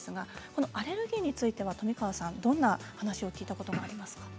このアレルギーについては冨川さん、どんな話を聞いたことがありますか？